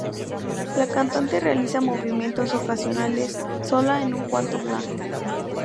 La cantante realiza movimientos ocasionales sola en un cuarto blanco.